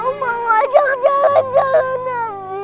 om mau ajak jalan jalan amimu